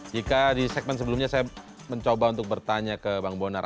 jika di segmen sebelumnya saya mencoba untuk bertanya ke bang bonar